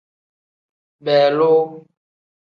Beeloo.